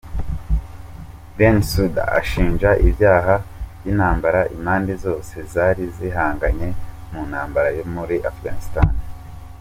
Bensouda ashinja ibyaha by’intambara impande zose zari zihanganye mu ntambara yo muri Afghanistan.